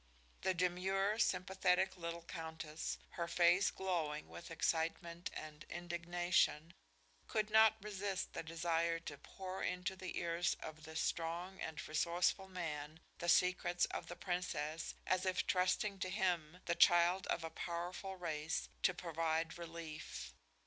The demure, sympathetic little Countess, her face glowing with excitement and indignation, could not resist the desire to pour into the ears of this strong and resourceful man the secrets of the Princess, as if trusting to him, the child of a powerful race, to provide relief.